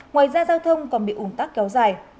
ngoài ra giao thông còn bị ủn tắc kéo dài